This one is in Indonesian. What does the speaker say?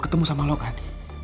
ketemu sama lo kan